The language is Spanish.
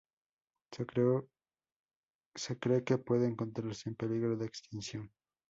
Se cree que puede encontrarse en peligro de extinción.